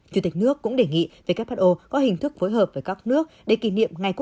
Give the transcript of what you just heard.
chủ tịch nước cũng đề nghị who có hình thức phối hợp với các nước để kỷ niệm